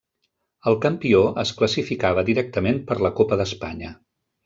El campió es classificava directament per la Copa d'Espanya.